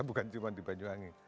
bukan cuma di banyuangi